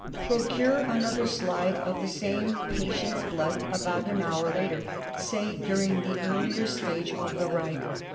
Procure another slide of the same patient's blood about an hour later, say during the earlier stage of the rigor.